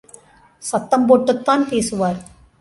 சத்தம் போட்டுத்தான் பேசுவார்.